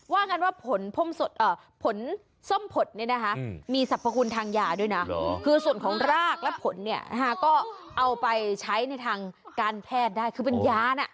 ว่ากันว่าผลส้มผดมีสรรพคุณทางยาด้วยนะคือส่วนของรากและผลก็เอาไปใช้ในทางการแพทย์ได้